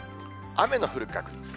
雨の降る確率。